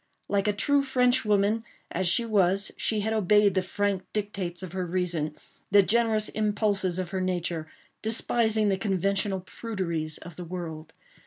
Like a true Frenchwoman as she was she had obeyed the frank dictates of her reason—the generous impulses of her nature—despising the conventional pruderies of the world.